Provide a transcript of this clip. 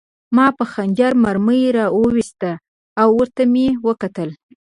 ما په خنجر مرمۍ را وویسته او ورته مې وکتل